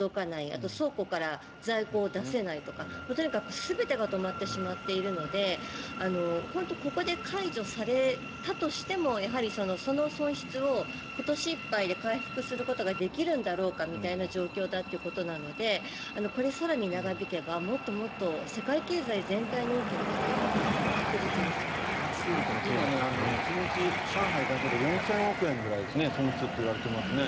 あとは倉庫から在庫を出せないとかとにかく全てが止まってしまっているので本当、ここで解除されたとしてもやはりその損失を今年いっぱいで回復することができるのだろうかという状況だそうでこれ、更に長引けばもっともっと世界経済全体に大きな影響は今、１日上海だけで４０００億円ぐらいの損失といわれていますね。